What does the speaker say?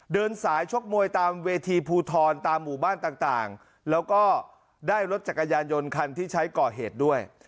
เดินสายชกมวยตามเวทีภูทรตามหมู่บ้านต่างแล้วก็ได้รถจักรยานยนต์คันที่ใช้ก่อเหตุด้วย